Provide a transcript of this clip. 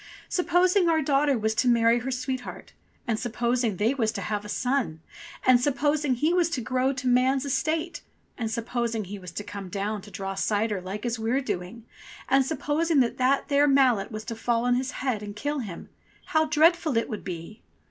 "Supposing our daughter was to marry her sweetheart, and supposing they was to have a son, and suppos ing he was to grow to man's estate, and supposing he was to come down to draw cider like as we're doing, and supposing that there mallet was to fall on his head and kill him, how dreadful it would be